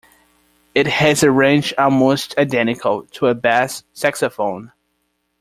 It has a range almost identical to a bass saxophone.